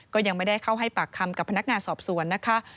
ก็ยังไม่ได้เข้าให้ปากคำกับพนักงานสอบสวนนะคะ